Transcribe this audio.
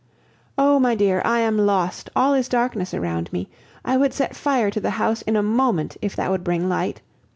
Oh! my dear, I am lost, all is darkness around me. I would set fire to the house in a moment if that would bring light.